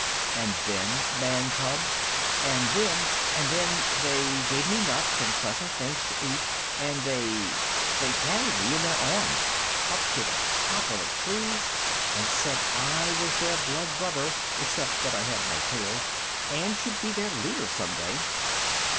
And then, man cub?" "And then, and then, they gave me nuts and pleasant things to eat, and they they carried me in their arms up to the top of the trees and said I was their blood brother except that I had no tail, and should be their leader some day."